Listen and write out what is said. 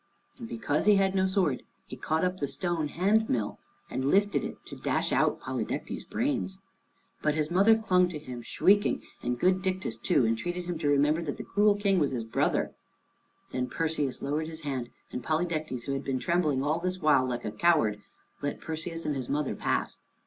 And because he had no sword he caught up the stone hand mill, and lifted it to dash out Polydectes's brains. But his mother clung to him, shrieking, and good Dictys too entreated him to remember that the cruel King was his brother. Then Perseus lowered his hand, and Polydectes, who had been trembling all this while like a coward, let Perseus and his mother pass.